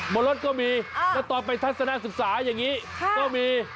บนรถก็มีแล้วตอนไปทัศนศึกษาอย่างนี้ก็มี